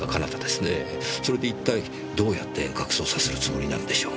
それで一体どうやって遠隔操作するつもりなんでしょう。